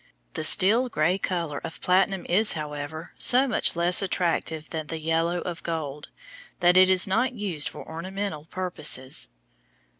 The steel gray color of platinum is, however, so much less attractive than the yellow of gold, that it is not used for ornamental purposes.